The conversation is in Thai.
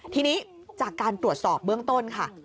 ทีนี้จากการตรวจสอบเบื้องต้นค่ะ